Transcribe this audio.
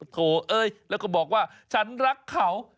โถเอ้ยแล้วก็บอกว่าฉันรักเขา